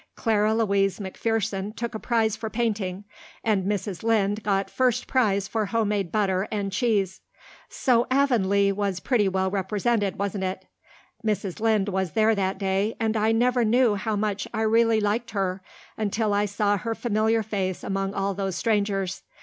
Clara Louise MacPherson took a prize for painting, and Mrs. Lynde got first prize for homemade butter and cheese. So Avonlea was pretty well represented, wasn't it? Mrs. Lynde was there that day, and I never knew how much I really liked her until I saw her familiar face among all those strangers.